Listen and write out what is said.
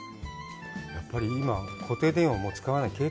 やっぱり今、固定電話、もう使わない。